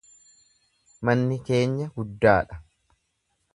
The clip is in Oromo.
Manni keenya guddaadha.